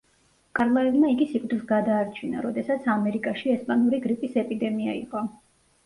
კარლაილმა იგი სიკვდილს გადაარჩინა, როდესაც ამერიკაში ესპანური გრიპის ეპიდემია იყო.